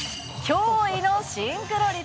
驚異のシンクロ率。